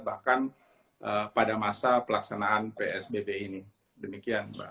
bahkan pada masa pelaksanaan psbb ini demikian mbak